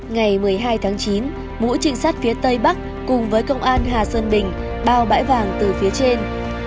ngày một mươi hai tháng chín mũi trịnh sát phía tây bắc cùng với công an hà sơn bình bao bãi vàng từ phía trên